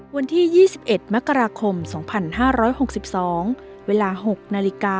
วันที่๒๑มกราคม๒๕๖๒เวลา๐๖๐๐น